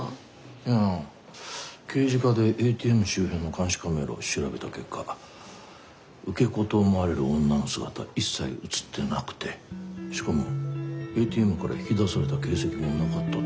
いやぁ刑事課でＡＴＭ周辺の監視カメラを調べた結果受け子と思われる女の姿は一切映ってなくてしかもＡＴＭから引き出された形跡もなかったっていうんだ。